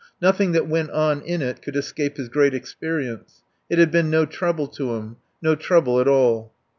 Nothing that went on in it could escape his great experience. It had been no trouble to him. No trouble at all.